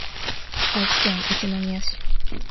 愛知県一宮市